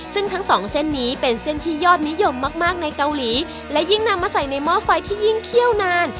ซึ่งทั้งสองเส้นนี้เป็นเส้นที่ยอดนิยมมากมากในเกาหลีและยิ่งนำมาใส่ในหม้อไฟที่ยิ่งเคี่ยวนาน